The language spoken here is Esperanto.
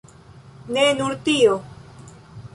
Ne nur tio.